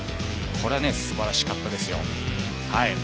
これはすばらしかったですよ。